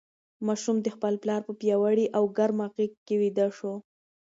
ماشوم د خپل پلار په پیاوړې او ګرمه غېږ کې ویده شو.